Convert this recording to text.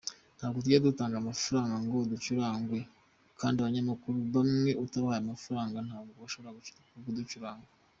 Ntabwo tujya dutanga amafaranga ngo ducurarangwe, kandi abanyamakuru bamwe utabahaye amafaranga ntabwo bashobora kugucuranga.